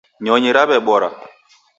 Nyonyi raw'ebora.